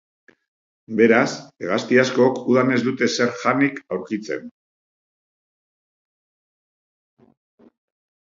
Beraz, hegazti askok udan ez dute zer janik aurkitzen.